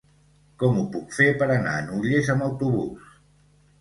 Com ho puc fer per anar a Nulles amb autobús?